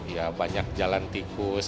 ya banyak jalan tikus